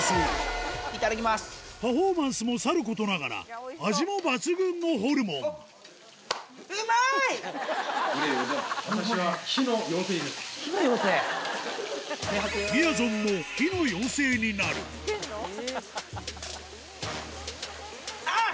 パフォーマンスもさることながら味も抜群のホルモンみやぞんもあぁ！